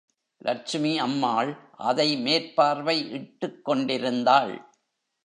லட்சுமி அம்மாள் அதை மேற்பார்வை இட்டுக்கொண்டிருந்தாள்.